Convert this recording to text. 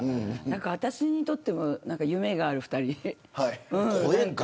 私にとっても夢がある２人。